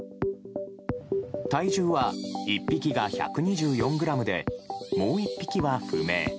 体重は１匹が１２４ｇでもう１匹は不明。